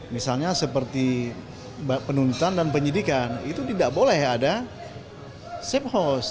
misalnya seperti penuntutan dan penyidikan itu tidak boleh ada safe house